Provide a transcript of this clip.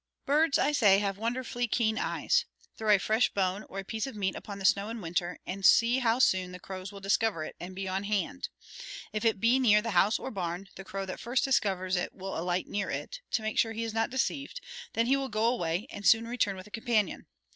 Birds, I say, have wonderfully keen eyes. Throw a fresh bone or a piece of meat upon the snow in winter, and see how soon the crows will discover it and be on hand. If it be near the house or barn, the crow that first discovers it will alight near it, to make sure he is not deceived; then he will go away, and soon return with a companion.